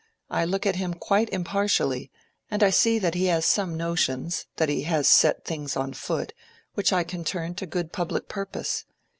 I look at him quite impartially, and I see that he has some notions—that he has set things on foot—which I can turn to good public purpose.